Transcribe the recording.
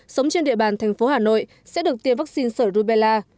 sống trên địa bàn thành phố hà nội sẽ được tiêm vaccine sởi rubella